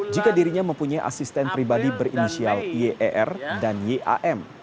jika dirinya mempunyai asisten pribadi berinisial yer dan yam